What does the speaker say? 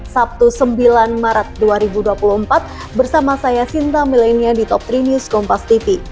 sabtu sembilan maret dua ribu dua puluh empat bersama saya sinta milenia di top tiga news kompas tv